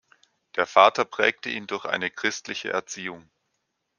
Der Vater prägte ihn durch eine christliche Erziehung.